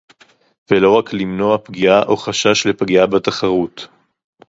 ולא רק למנוע פגיעה או חשש לפגיעה בתחרות